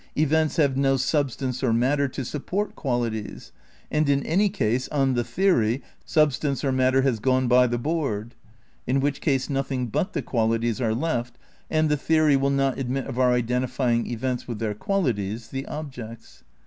Events have no substance or matter to support qualities, and in any case, on the theory, substance or matter has gone by the board ; in which case nothing but the qualities are left, and the theory will not admit of our identifying events with their qualities, the objects.